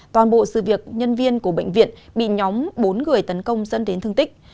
toàn bộ sự việc nhân viên của bệnh viện bị nhóm bốn người tấn công dẫn đến thương tích